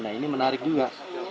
nah ini menarik juga